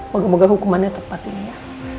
moga moga hukumannya tepat ini ya